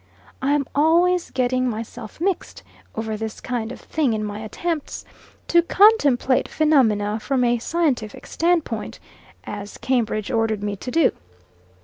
I am always getting myself mixed over this kind of thing in my attempts "to contemplate phenomena from a scientific standpoint," as Cambridge ordered me to do.